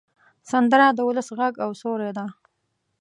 سندره د ولس غږ او سیوری ده